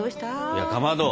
いやかまど！